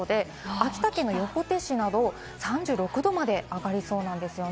秋田県の横手市など３６度まで上がりそうです。